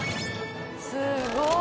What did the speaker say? すごい。